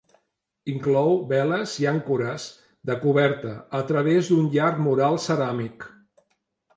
Inclou veles i àncores de coberta, a través d'un llarg mural ceràmic.